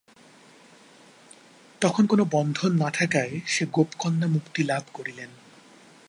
তখন কোন বন্ধন না থাকায় সেই গোপকন্যা মুক্তিলাভ করিলেন।